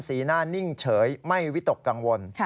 หน้านิ่งเฉยไม่วิตกกังวล